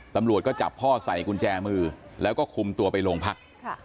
ตำรวจก็จับพ่อใส่กุญแจมือแล้วก็คุมตัวไปโรงพัก